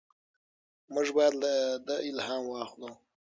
موږ باید له ده الهام واخلو.